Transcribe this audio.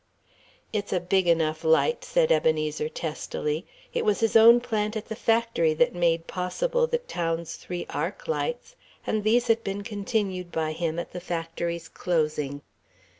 "It's a big enough light," said Ebenezer, testily. It was his own plant at the factory that made possible the town's three arc lights, and these had been continued by him at the factory's closing.